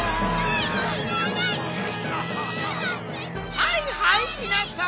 はいはいみなさん